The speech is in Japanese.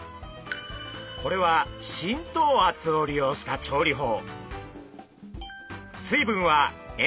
これは浸透圧を利用した調理法。